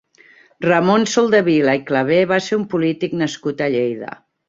Ramon Soldevila i Claver va ser un polític nascut a Lleida.